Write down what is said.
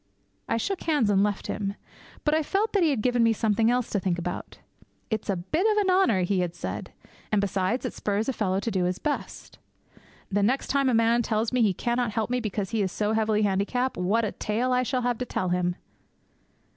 I shook hands and left him. But I felt that he had given me something else to think about. 'It's a bit of an honour!' he had said. 'And, besides, it spurs a fellow to do his best!' The next time a man tells me that he cannot help me because he is so heavily handicapped, what a tale I shall have to tell him!